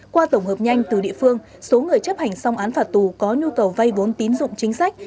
qua tổng hợp nhanh từ địa phương số người chấp hành xong án phạt tù có nhu cầu vay vốn tín dụng chính sách